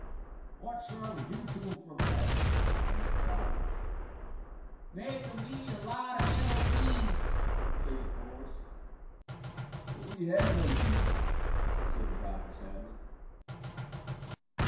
"What shall we do to him for that?" asked the gobbler. "Make him eat a lot of yellow beads," said the chorus. "But we have no beads," said the gobbler sadly.